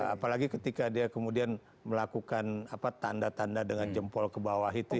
apalagi ketika dia kemudian melakukan tanda tanda dengan jempol ke bawah itu